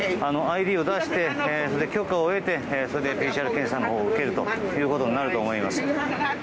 ＩＤを出して、許可を得てそれでＰＣＲ検査を受けるということになると思います。